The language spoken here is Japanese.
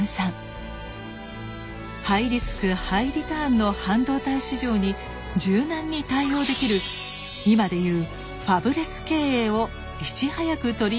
ハイリスク・ハイリターンの半導体市場に柔軟に対応できる今で言うファブレス経営をいち早く取り入れたのです。